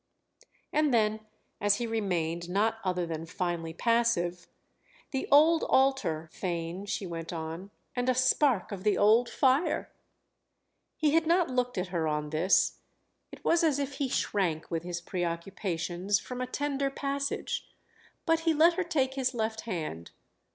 And then as he remained not other than finely passive, "The old altar, Theign," she went on—"and a spark of the old fire!" He had not looked at her on this—it was as if he shrank, with his preoccupations, from a tender passage; but he let her take his left hand.